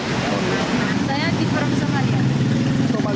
saya di perum somalia